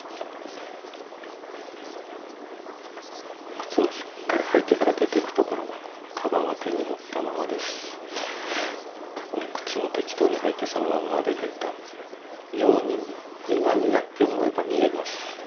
靴もしっかり履いてから出ていくところをカバンは手に持ったままですし多分靴も適当に履いてそのまま出てったように今になって思えば見えます。